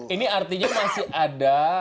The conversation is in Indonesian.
ini artinya masih ada